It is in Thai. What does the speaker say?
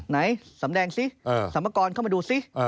ไหนสำแดงสิสัมพากรเข้ามาดูซิ